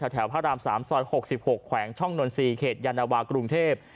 แถวพระราม๓ซอย๖๖แขวงช่องนนทรีย์เขตยานวากรุงเทพ